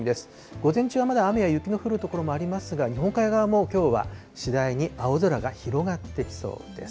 午前中はまだ雨や雪の降る所もありますが、日本海側もきょうは、次第に青空が広がってきそうです。